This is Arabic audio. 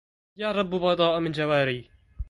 يا رب بيضاء من الجواري